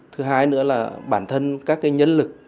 thứ hai nữa là bản thân các nhân lực